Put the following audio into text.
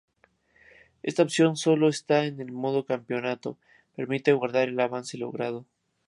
Esta opción solo está en el modo campeonato, permite guardar el avance logrado.